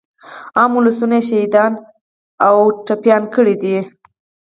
عام ولسونه يې شهیدان او ژوبل کړي دي.